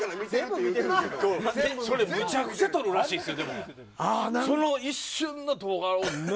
めちゃくちゃ撮るらしいですよ。